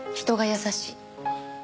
人が優しい。